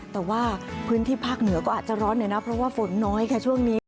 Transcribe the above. แต่ว่าพื้นที่ภาคเหนือก็อาจจะร้อนหน่อยนะเพราะว่าฝนน้อยค่ะช่วงนี้